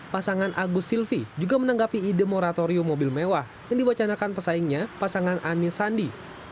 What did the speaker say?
pasangan agus silvi juga menanggapi ide moratorium mobil mewah yang diwacanakan pesaingnya pasangan anies sandi